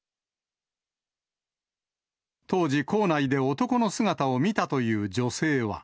当時、校内で男の姿を見たという女性は。